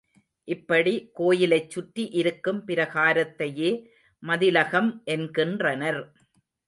இப்படி கோயிலைச் சுற்றி இருக்கும் பிராகாரத்தையே மதிலகம் என்கின்றனர்.